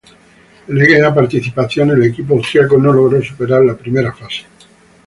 En aquella participación el equipo austriaco no logró superar la primera fase.